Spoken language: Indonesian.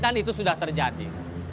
dan itu sudah terjadi